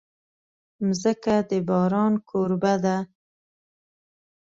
مځکه د باران کوربه ده.